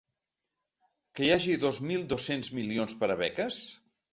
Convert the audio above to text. Que hi hagi dos mil dos-cents milions per a beques?